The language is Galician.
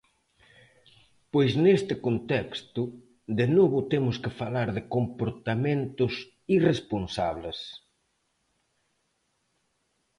Pois neste contexto, de novo temos que falar de comportamentos irresponsables.